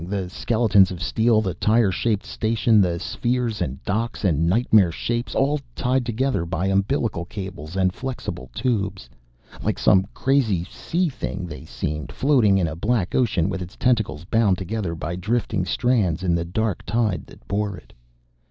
The skeletons of steel, the tire shaped station, the spheres and docks and nightmare shapes all tied together by umbilical cables and flexible tubes. Like some crazy sea thing they seemed, floating in a black ocean with its tentacles bound together by drifting strands in the dark tide that bore it.